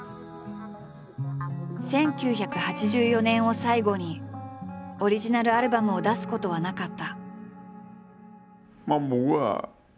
１９８４年を最後にオリジナルアルバムを出すことはなかった。